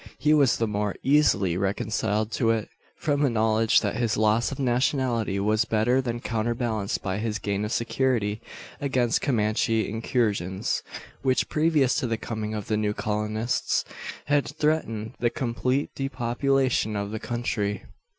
He was the more easily reconciled to it, from a knowledge, that his loss of nationality was better than counterbalanced by his gain of security against Comanche incursions; which, previous to the coming of the new colonists, had threatened the complete depopulation of the country.